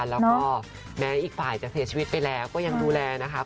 แล้วก็แม้อีกฝ่ายจะเสียชีวิตไปแล้วก็ยังดูแลนะคะ